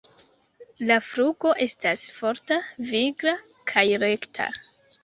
La flugo estas forta, vigla kaj rekta.